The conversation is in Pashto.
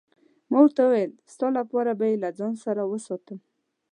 ما ورته وویل: ستا لپاره به يې له ځان سره وساتم.